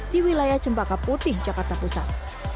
di wilayah cempaka putih jakarta pusat